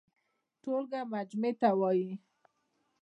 ټولګه مجموعې ته وايي.